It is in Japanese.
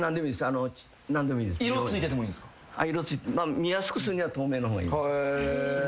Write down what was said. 見やすくするには透明の方がいい。